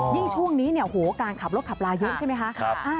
ยิ่งช่วงนี้การขับรถขับลาเยอะใช่ไหมฮะ